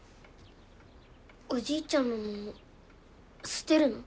おじいちゃんのものすてるの？